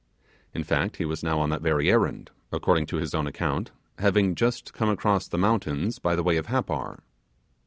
In fact, he was now on that very errand, according to his own account, having just come across the mountains by the way of Happar.